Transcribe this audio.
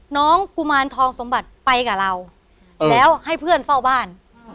กุมารทองสมบัติไปกับเราแล้วให้เพื่อนเฝ้าบ้าน